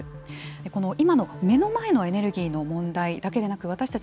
この今の目の前のエネルギーの問題だけでなく私たち